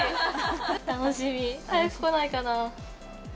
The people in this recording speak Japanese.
楽しみ、早くこないかな。